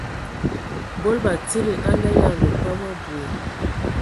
Mbol batsidi a nganyanga kom abui,